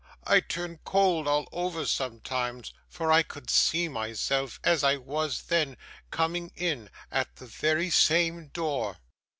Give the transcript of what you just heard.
I turned cold all over sometimes, for I could see myself as I was then, coming in at the very same door.